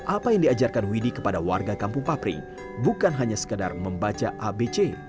apa yang diajarkan widhi kepada warga kampung papri bukan hanya sekedar membaca abc